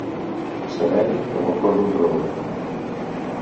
Sereny com el cor d'un roure.